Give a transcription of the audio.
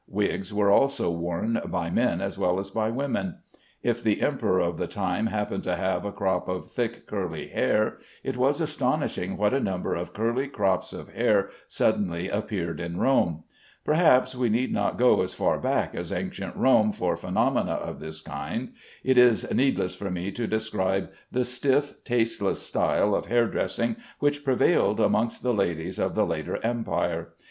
Wigs were also worn, by men as well as by women. If the emperor of the time happened to have a crop of thick curly hair, it was astonishing what a number of curly crops of hair suddenly appeared in Rome. Perhaps we need not go as far back as ancient Rome for phenomena of this kind. It is needless for me to describe the stiff, tasteless style of hair dressing which prevailed amongst the ladies of the later Empire.